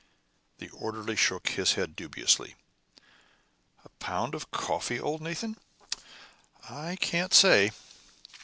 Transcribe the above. The orderly shook his head dubiously. "A pound of coffee, old Nathan? I can't say."